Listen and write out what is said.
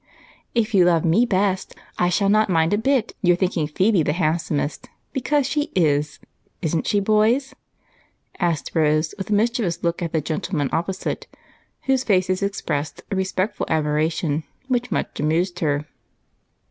"If you love me best, I shall not mind a bit about your thinking Phebe the handsomest, because she is. Isn't she, boys?" asked Rose, with a mischievous look at the gentlemen opposite, whose faces expressed a respectful admiration which much amused her.